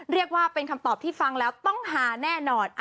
เรียกว่าเป็นคำตอบที่ฟังแล้วต้องหาแน่นอน